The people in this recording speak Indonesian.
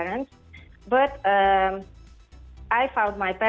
tapi saya menemukan ibu bapa saya